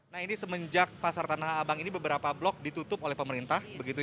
nah ini semenjak pasar tanah abang ini beberapa blok ditutup oleh pemerintah